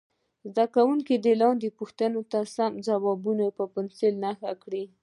زده کوونکي دې د لاندې پوښتنو سم ځوابونه په پنسل نښه کړي.